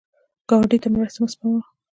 ګاونډي ته مرسته مه سپموه